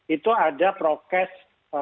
itu ada prokes